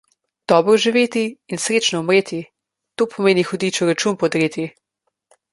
Dobro živeti in srečno umreti – to pomeni hudiču račun podreti.